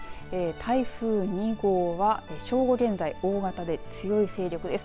台風２号は正午現在、大型で強い勢力です。